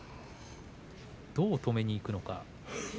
どう止めにいくのか。